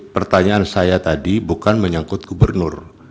pertanyaan saya tadi bukan menyangkut gubernur